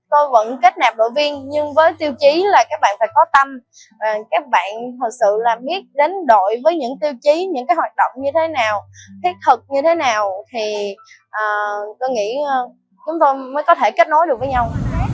tôi vẫn kết nạp đội viên nhưng với tiêu chí là các bạn phải có tâm các bạn thực sự là biết đến đội với những tiêu chí những cái hoạt động như thế nào thiết thực như thế nào thì tôi nghĩ chúng tôi mới có thể kết nối được với nhau